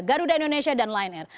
garuda indonesia dan lion air